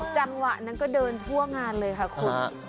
จังหวะนั้นก็เดินทั่วงานเลยค่ะคุณ